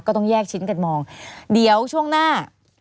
ต้องแยกชิ้นกันมองเดี๋ยวช่วงหน้า